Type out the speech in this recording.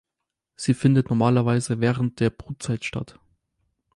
Sie findet normalerweise während der Brutzeit statt.